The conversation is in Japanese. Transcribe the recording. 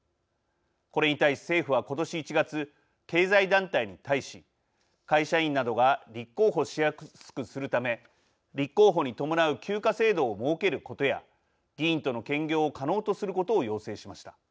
これに対し政府は今年１月経済団体に対し会社員などが立候補しやすくするため立候補に伴う休暇制度を設けることや議員との兼業を可能とすることを要請しました。